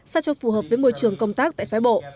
sao cho phù hợp với môi trường công tác tại phái bộ